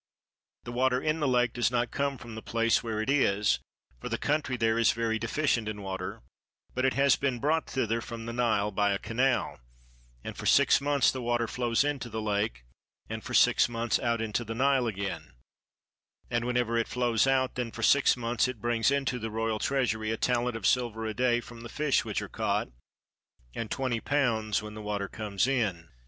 The water in the lake does not come from the place where it is, for the country there is very deficient in water, but it has been brought thither from the Nile by a canal; and for six months the water flows into the lake, and for six months out into the Nile again; and whenever it flows out, then for the six months it brings into the royal treasury a talent of silver a day from the fish which are caught, and twenty pounds when the water comes in.